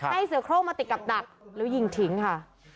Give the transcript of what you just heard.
ให้เสือโครงมาติดกับดักแล้วยิงทิ้งค่ะ